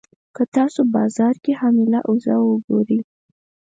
که تاسو بازار کې حامله اوزه وګورئ.